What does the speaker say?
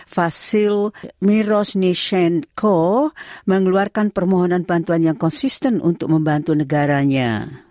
fasil mirosnishen co mengeluarkan permohonan bantuan yang konsisten untuk membantu negaranya